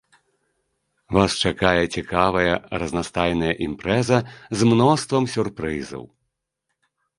Вас чакае цікавая разнастайная імпрэза з мноствам сюрпрызаў.